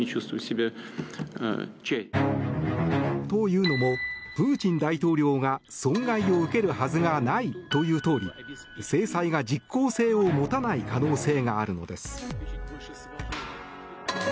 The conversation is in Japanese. というのも、プーチン大統領が損害を受けるはずがないと言うとおり制裁が実効性を持たない可能性があるのです。